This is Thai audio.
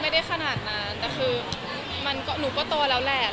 ไม่ได้ขนาดนั้นแต่คือหนูก็โตแล้วแหละ